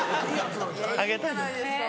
あげたの。